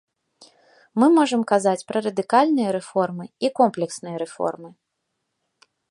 Мы можам казаць пра радыкальныя рэформы і комплексныя рэформы.